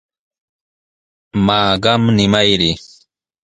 Maa, qam nimayri.